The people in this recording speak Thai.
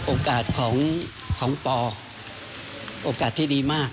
โอกาสของปอโอกาสที่ดีมาก